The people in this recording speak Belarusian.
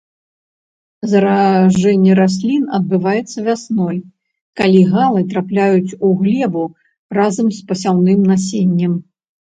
Заражэнне раслін адбываецца вясной, калі галы трапляюць у глебу разам з пасяўным насеннем.